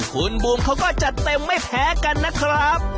คุณบูมเขาก็จัดเต็มไม่แพ้กันนะครับ